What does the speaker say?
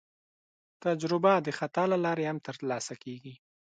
تجربه د خطا له لارې هم ترلاسه کېږي.